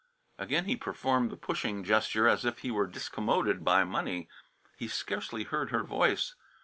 Again he performed the pushing gesture, as if he were discommoded by money. He scarcely heard her voice.